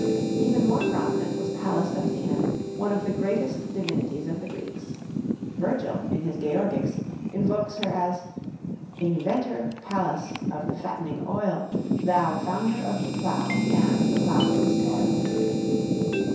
Even more prominent was Pallas Athene, one of the greatest divinities of the Greeks. Virgil, in his Georgics, invokes her as "Inventor, Pallas, of the fatt'ning oil, Thou founder of the plow and the plowman's toil."